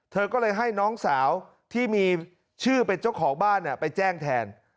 เธอก็เลยให้น้องสาวที่มีชื่อเป็นเจ้าของบ้านไปแจ้งแทน